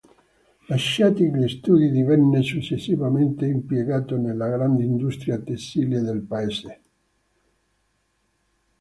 Lasciati gli studi divenne successivamente impiegato nella grande industria tessile del paese.